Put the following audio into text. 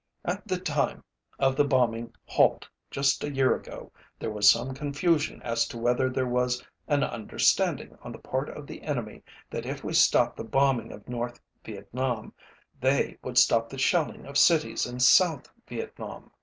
At the time of the bombing halt just a year ago there was some confusion as to whether there was an understanding on the part of the enemy that if we stopped the bombing of North Vietnam, they would stop the shelling of cities in South Vietnam.